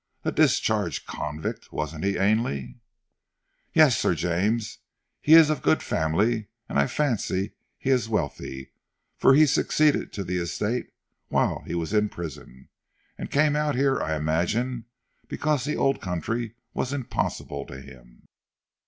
"A discharged convict, wasn't he, Ainley?" "Yes, Sir James. He is of good family, and I fancy he is wealthy, for he succeeded to the estate whilst he was in prison, and came out here I imagine, because the old country was impossible to him."